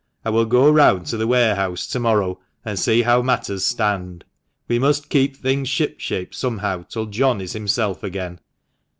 I will go round to the warehouse to morrow, and see how matters stand ; we must keep things ship shape somehow till John is himself again."